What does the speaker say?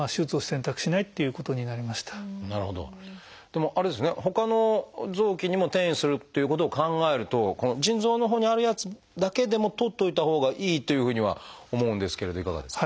でもあれですねほかの臓器にも転移するっていうことを考えるとこの腎臓のほうにあるやつだけでもとっておいたほうがいいというふうには思うんですけれどいかがですか？